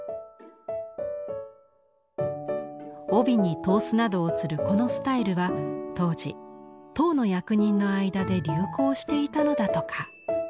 帯に刀子などをつるこのスタイルは当時唐の役人の間で流行していたのだとか。